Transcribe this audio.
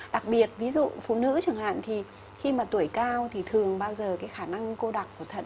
đặc biệt ví dụ phụ nữ chẳng hạn thì khi mà tuổi cao thì thường bao giờ cái khả năng cô đặc của thận